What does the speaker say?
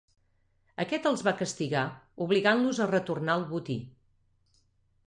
Aquest els va castigar obligant-los a retornar el botí.